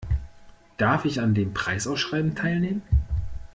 Darf ich an dem Preisausschreiben teilnehmen?